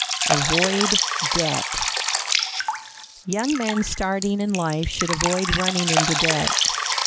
AVOID DEBT Young men starting in life should avoid running into debt.